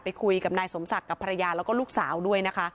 คุยกับนายสมศักดิ์กับภรรยาแล้วก็ลูกสาวด้วยนะคะ